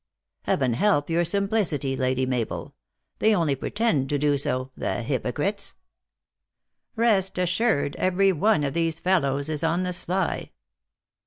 " Heaven help your simplicity, Lady Mabel ! They 38 THE ACTRESS IN HIGH LIFE. only pretend to do so, the hypocrites ! Rest assured, every one of these fellows is on the sly."